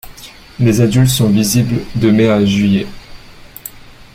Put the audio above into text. Les adultes sont visibles de mai à juillet.